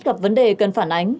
gặp vấn đề cần phản ánh